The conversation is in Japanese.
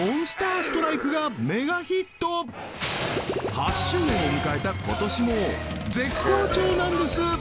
８周年を迎えた今年も絶好調なんです